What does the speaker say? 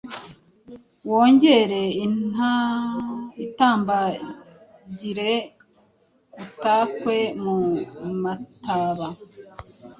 wongere utambagire, utakwe mu mataba